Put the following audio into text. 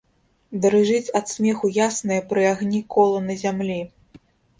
Дрыжыць ад смеху яснае пры агні кола на зямлі.